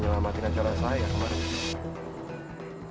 nyelamatin acara saya kemarin